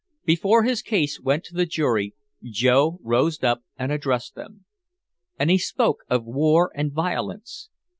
Before his case went to the jury, Joe rose up and addressed them. And he spoke of war and violence.